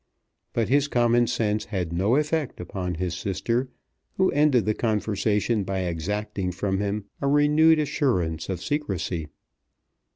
But his common sense had no effect upon his sister, who ended the conversation by exacting from him a renewed assurance of secrecy.